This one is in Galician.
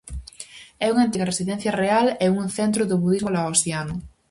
É unha antiga residencia real e un centro do budismo laosiano.